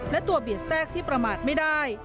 และตัวเบียดแทรกที่ประมาทไม่ได้